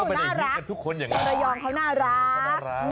เออน่ารักระยองเขาน่ารักน่ารัก